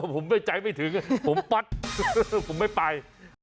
ผมไม่ใจไม่ถึงผมปั๊บผมไม่ไป